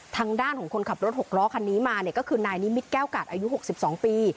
ทางด้านของคนขับรถหกล้อคันนี้มาเนี่ยก็คือนายนิมิตแก้วกาดอายุ๖๒ปี